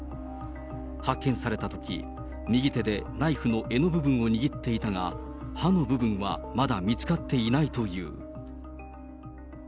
発見されたとき、右手でナイフの柄の部分を握っていたが、刃の部分はまだ見つかっていないという。